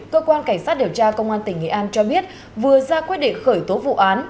cơ quan cảnh sát điều tra công an tỉnh nghệ an cho biết vừa ra quyết định khởi tố vụ án